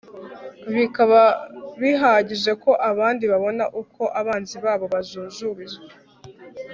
bikaba bihagije ko abandi babona uko abanzi babo bajujubijwe